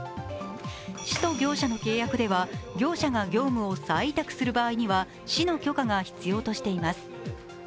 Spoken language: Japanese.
市と業者の契約では、業者が業務を再委託する場合には、市の許可が必要としています。